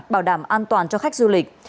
bảo đảm an toàn cho khách du lịch